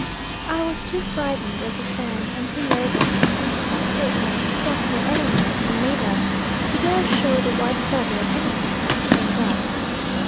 I was too frightened of the Fan, and too nervous and uncertain of the stuff my other men were made of, to dare show the white feather at anything that turned up.